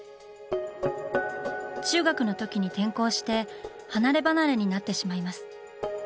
中学のときに転校して離れ離れになってしまいます。